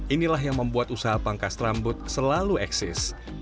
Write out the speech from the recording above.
inilah yang membuat usaha pangkas rambut selalu eksis